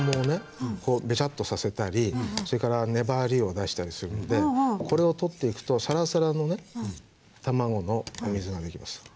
ベチャッとさせたりそれから粘りを出したりするのでこれを取っていくとサラサラのね卵のお水が出来ます。